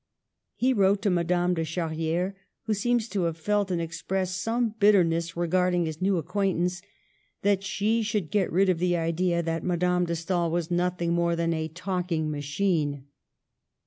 He wrote to Madame de Char ri&re, who seems to have felt and expressed some bitterness regarding his new acquaintance, that she should get rid of the idea that Madame de Stael was nothing more than a "talking ma chine."